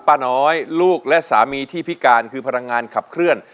ป้าน้อยลูกและสามีที่พิการคือพลังงานขับเคลื่อน